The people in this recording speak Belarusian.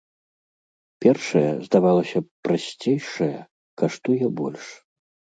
Першая, здавалася б, прасцейшая, каштуе больш.